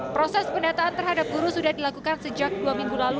proses pendataan terhadap guru sudah dilakukan sejak dua minggu lalu